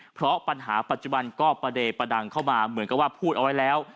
เพราะปัญหาปัจจุบันก็ประเดประดังเข้ามาเหมือนกับว่าพูดเอาไว้แล้ว